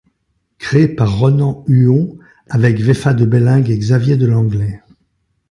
Créé par Ronan Huon avec Vefa de Bellaing et Xavier de Langlais.